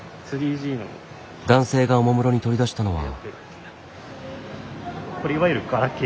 男性がおもむろに取り出したのは。